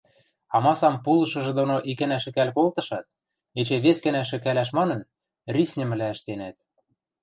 Амасам пулышыжы доно икӓнӓ шӹкӓл колтышат, эче вес гӓнӓ шӹкӓлӓш манын, рисньӹмӹлӓ ӹштенӓт: